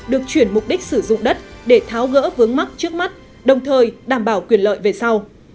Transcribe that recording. được chuyển mục đích sử dụng đất để tháo gỡ vướng mắc trước mắt đồng thời đảm bảo quyền lợi về sau